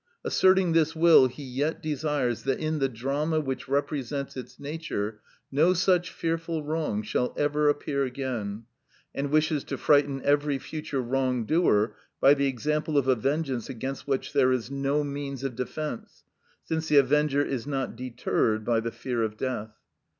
Asserting this will, he yet desires that in the drama which represents its nature no such fearful wrong shall ever appear again, and wishes to frighten ever future wrong doer by the example of a vengeance against which there is no means of defence, since the avenger is not deterred by the fear of death.